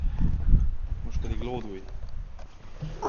Most pedig lódulj!